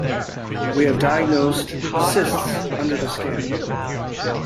We have diagnosed cysts under the skin.